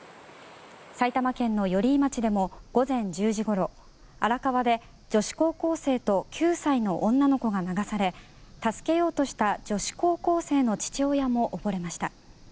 埼玉県の寄居町でも午前１０時ごろ荒川で女子高校生と９歳の女の子が流され助けようとした女子高校生の父親も溺れました。